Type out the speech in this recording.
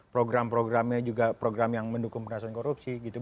program programnya juga program yang mendukung perasaan korupsi gitu